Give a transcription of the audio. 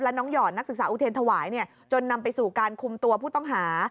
น้องหยอดนักศึกษาอุเทรธวายจนนำไปสู่การคุมตัวผู้ต้องหา